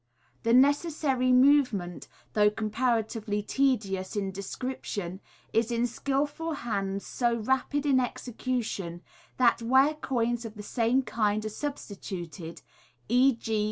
The nect ssary movement though comparatively tedious in description, is in skilful hands so rapid iv execution that, where coins of the same kind are substituted — e.g.